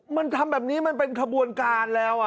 มันทำแบบนี้มันเป็นขบวนการแล้ว